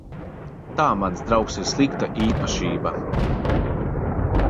Tā, mans draugs, ir slikta īpašība.